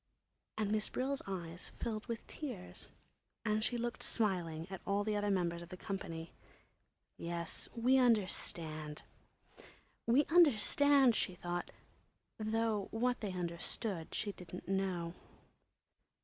And Miss Brill's eyes filled with tears and she looked smiling at all the other members of the company. Yes, we understand, we understand, she thought—though what they understood she didn't know.